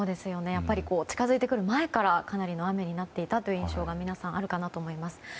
近づいてくる前からかなりの雨になっていたという印象が皆さんあるかなと思います。